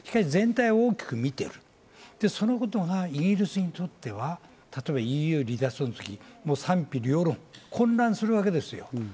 しかし全体を大きく見て、そのことがイギリスにとってはＥＵ離脱など賛否両論、混乱するわけですよ。